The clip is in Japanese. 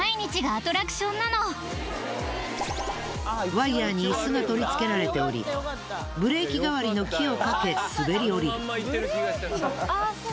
ワイヤに椅子が取り付けられておりブレーキ代わりの木をかけ滑り降りる。